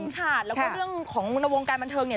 กินขาดแล้วก็เรื่องของวงการบันเทิงเนี่ย